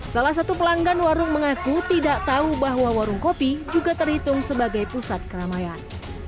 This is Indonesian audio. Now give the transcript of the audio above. salah satu pelanggan warung mengaku tidak tahu bahwa warung kopi juga terhitung sebagai pusat keramaian